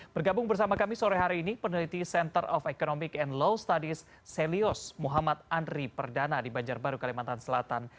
bergabung bersama kami sore hari ini peneliti center of economic and law studies selios muhammad andri perdana di banjarbaru kalimantan selatan